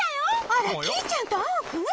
あらキイちゃんとアオくん？